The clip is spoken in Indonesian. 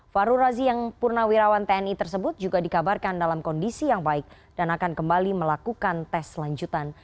fahru razi yang purnawirawan tni tersebut juga dikabarkan dalam kondisi yang baik dan akan kembali melakukan tes selanjutan